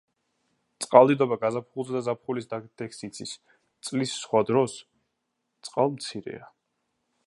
წყალდიდობა გაზაფხულზე და ზაფხულის დამდეგს იცის, წლის სხვა დროს წყალმცირეა.